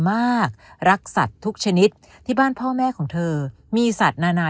มากรักสัตว์ทุกชนิดที่บ้านพ่อแม่ของเธอมีสัตว์นานา